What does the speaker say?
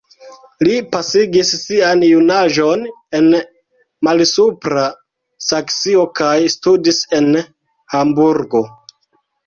Li pasigis sian junaĝon en Malsupra Saksio kaj studis en Hamburgo.